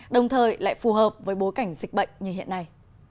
đồng thời lại phù hợp với bối cảnh dịch bệnh như hiện nay